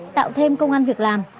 tạo thêm công an việc làm